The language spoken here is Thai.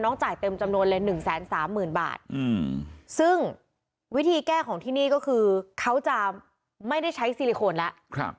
จ่ายเต็มจำนวนเลย๑๓๐๐๐บาทซึ่งวิธีแก้ของที่นี่ก็คือเขาจะไม่ได้ใช้ซิลิโคนแล้ว